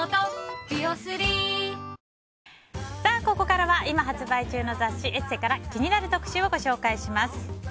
ここからは今発売中の雑誌「ＥＳＳＥ」から気になる特集をご紹介します。